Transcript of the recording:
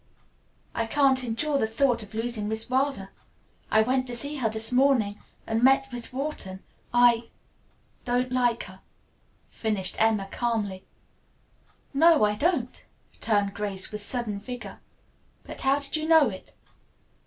"I can't endure the thought of losing Miss Wilder. I went to see her this morning and met Miss Wharton. I " "Don't like her," finished Emma calmly. "No, I don't," returned Grace, with sudden vigor, "but how did you know it?"